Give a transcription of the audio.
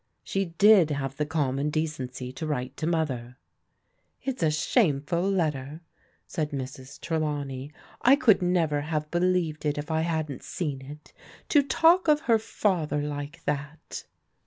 She did have the common decency to write to Mother." "It's a shameful letter," said Mrs. Trelawney. "I could never have believed it if I hadn't seen it. To talk of her father like that